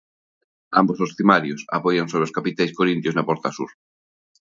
Ambos os cimacios apoian sobre capiteis corintios na portada sur.